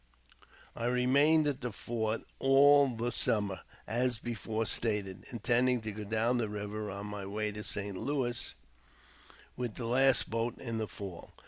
I remained at the fort all the summer (as before stated), intending to go down the river on my way to St. Louis with ihe last boats in the fall.